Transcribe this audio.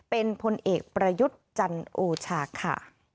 เป็นพลเอกประยุทธ์จันโอชาค่ะ